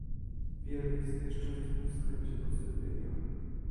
Wiele jest jeszcze w tym względzie do zrobienia